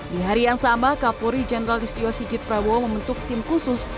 di hari yang sama kapolri jenderal istio sigit prabowo membentuk tim khusus